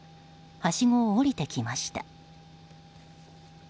はしごを下りてきました。